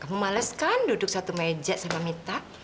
kamu males kan duduk satu meja sama mita